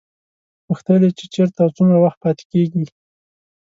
پوښتل یې چې چېرته او څومره وخت پاتې کېږي.